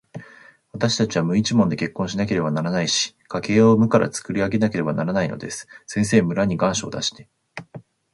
わたしたちは無一文で結婚しなければならないし、家計を無からつくり上げなければならないのです。先生、村に願書を出して、